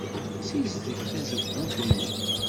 Ssizdeg tazewwut-nni.